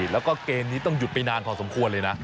แล้วก็เกมนี้ต้องหยุดไปนานพอสมควรเลยนะ